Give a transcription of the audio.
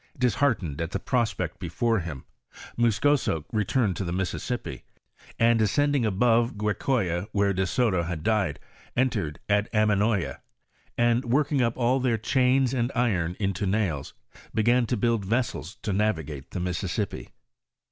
Disheartened at the prospect before him, Muscoso returned to the Mississippi, and ascending above Guachoya where De Soto had died, entered at Aminoya, and working up all their , chains and iron into nails, began to build vessels to navigate the Mississippi.